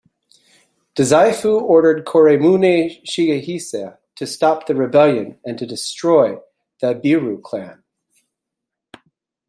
Dazaifu ordered Koremune Shigehisa to stop the rebellion and to destroy the Abiru clan.